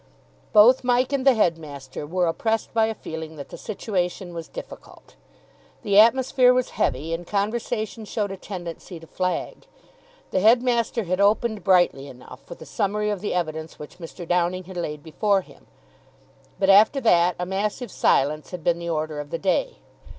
Both Mike and the headmaster were oppressed by a feeling that the situation was difficult. The atmosphere was heavy, and conversation showed a tendency to flag. The headmaster had opened brightly enough, with a summary of the evidence which Mr. Downing had laid before him, but after that a massive silence had been the order of the day.